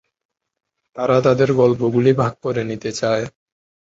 তারা তাদের গল্প গুলি ভাগ করে নিতে চায়।